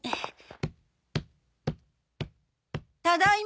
ただいま。